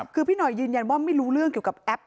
คือพี่หน่อยยืนยันว่าไม่รู้เรื่องเกี่ยวกับแอป